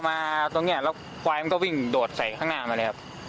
มาตรงนี้แล้วควายมันก็วิ่งโดดใส่ข้างหน้ามาเลยครับ